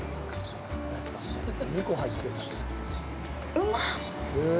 うまっ！